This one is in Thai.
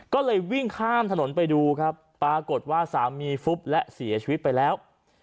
ก็เลยวิ่งข้ามถนนไปดูครับปรากฏว่าสามีฟุบและเสียชีวิตไปแล้ว